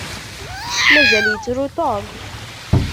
Mazal yettru Tom?